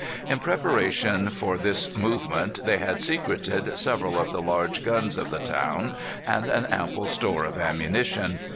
In preparation for this movement they had secreted several of the large guns of the town and an ample store of ammunition.